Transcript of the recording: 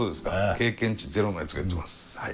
経験値ゼロのやつが言ってますはい。